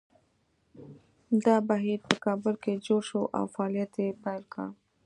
دا بهیر په کابل کې جوړ شو او فعالیت یې پیل کړ